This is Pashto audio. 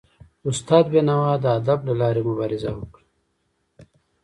استاد بینوا د ادب له لاري مبارزه وکړه.